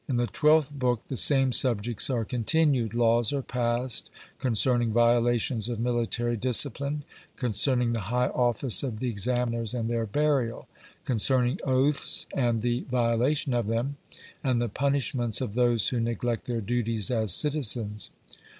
In the twelfth book the same subjects are continued. Laws are passed concerning violations of military discipline, concerning the high office of the examiners and their burial; concerning oaths and the violation of them, and the punishments of those who neglect their duties as citizens.